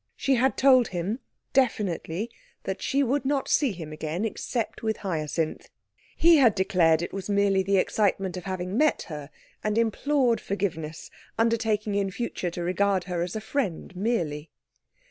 She had told him, definitely, that she would not see him again except with Hyacinth. He had declared it was merely the excitement of having met her, and implored forgiveness, undertaking in future to regard her as a friend merely.